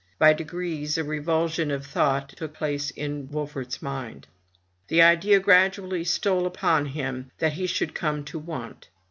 By degrees a revulsion of thought took place in Wolfert's mind. The idea gradually stole upon him that he should come to want.